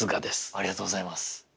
ありがとうございます。